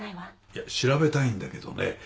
いや調べたいんだけどね